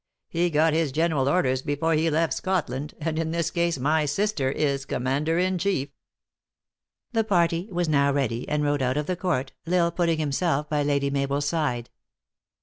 He got his general orders before he left Scotland, and in this case my sister is commander iii chief." THE ACTRESS IN HIGH LIFE. 119 The party was now ready, and rode out of the court, L Isle putting himself by Lady Mabel s side.